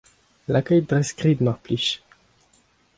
Lakait dre skrid mar plij !